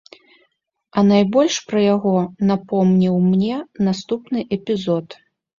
А найбольш пра яго напомніў мне наступны эпізод.